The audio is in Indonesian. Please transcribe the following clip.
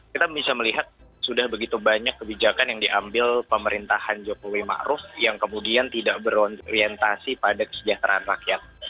kita bisa melihat sudah begitu banyak kebijakan yang diambil pemerintahan jokowi ⁇ maruf ⁇ yang kemudian tidak berorientasi pada kesejahteraan rakyat